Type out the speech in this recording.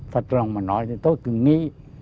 thật lòng mà nói thì tôi cứ nghĩ